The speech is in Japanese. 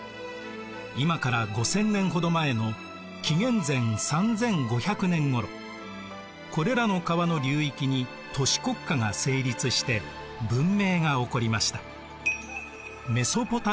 今から５０００年ほど前の紀元前３５００年ごろこれらの川の流域に都市国家が成立して文明が起こりました。